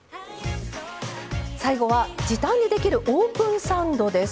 最後は時短でできるオープンサンドです。